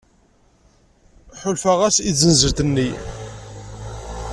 Ḥulfaɣ-as i tzenzelt-nni.